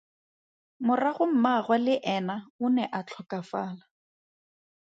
Morago mmaagwe le ena o ne a tlhokafala.